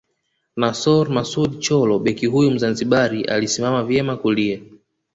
Nassor Masoud Chollo Beki huyu Mzanzibari alisimama vyema kulia